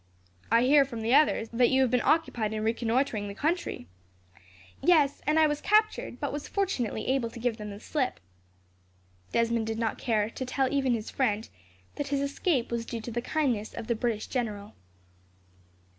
"I hear, from the others, that you have been occupied in reconnoitring the country." "Yes, and I was captured, but was fortunately able to give them the slip." Desmond did not care to tell even his friend that his escape was due to the kindness of the British general.